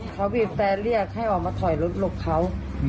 เขาบีบแต่เรียกให้ออกมาถอยรถหลบเขา